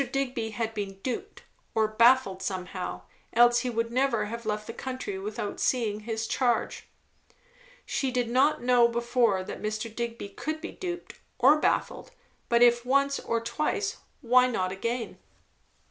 Digby had been duped, or baffled somehow; else he would never have left the country without seeing his charge. She did not know before that Mr. Digby could be duped, or baffled; but if once or twice, why not again.